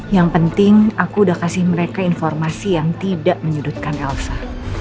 yang penting aku udah kasih mereka informasi yang tidak menyudutkan elsa